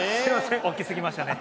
大きすぎましたね。